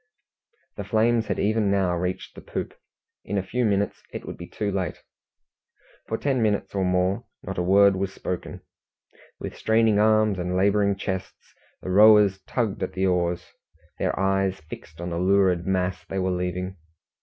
The flames had even now reached the poop; in a few minutes it would be too late. For ten minutes or more not a word was spoken. With straining arms and labouring chests, the rowers tugged at the oars, their eyes fixed on the lurid mass they were leaving.